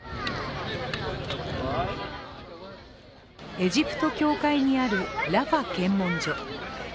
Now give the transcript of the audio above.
エジプト境界にあるラファ検問所。